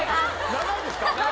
長いですか？